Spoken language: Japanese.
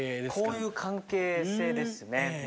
こういう関係性ですね。